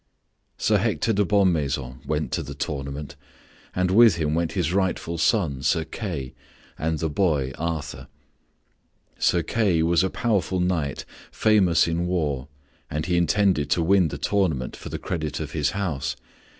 Sir Hector de Bonmaison went to the tournament, and with him went his rightful son, Sir Kay, and the boy, Arthur. Sir Kay was a powerful knight famous in war and he intended to win the tournament for the credit of his house.